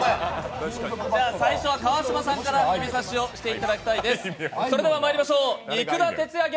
川島さんから指さしをしていただきたいです。